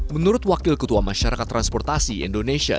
menurut wakil ketua masyarakat transportasi indonesia